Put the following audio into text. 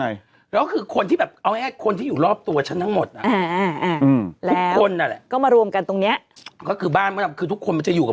อย่างที่ใครจะเข้ามาบ้านฉันด้วย